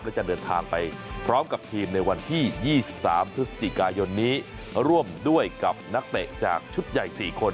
และจะเดินทางไปพร้อมกับทีมในวันที่๒๓พฤศจิกายนนี้ร่วมด้วยกับนักเตะจากชุดใหญ่๔คน